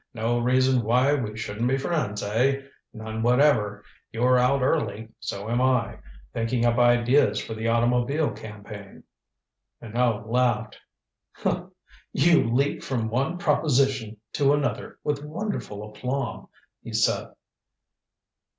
"No reason why we shouldn't be friends, eh? None whatever. You're out early. So am I. Thinking up ideas for the automobile campaign." Minot laughed. "You leap from one proposition to another with wonderful aplomb," he said.